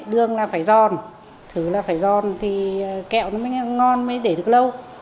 đường là phải giòn thứ là phải giòn thì kẹo nó mới ngon mới để được lâu